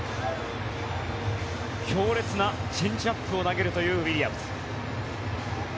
強烈なチェンジアップを投げるというウィリアムズ。